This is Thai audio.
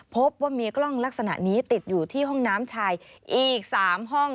พบว่ามีกล้องลักษณะนี้ติดอยู่ที่ห้องน้ำชายอีก๓ห้อง